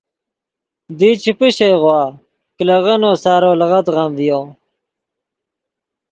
دی چے پیشئیغوآ کلیغنّو سارو لیغدغم ڤیو